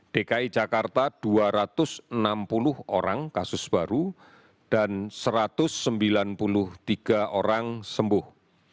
dki jakarta dua ratus enam puluh orang kasus baru dan satu ratus sembilan puluh tiga orang sembuh